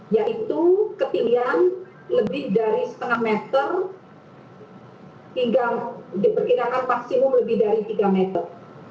yaitu ketinggian lebih dari setengah meter hingga diperkirakan maksimum lebih dari tiga meter